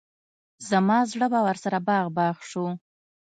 زما زړه به ورسره باغ باغ شو.